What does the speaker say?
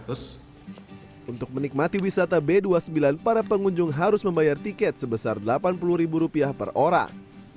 untuk menikmati wisata b dua puluh sembilan para pengunjung harus membayar tiket sebesar delapan puluh ribu rupiah per orang